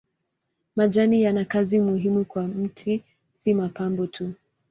Majani yana kazi muhimu kwa mti si mapambo tu.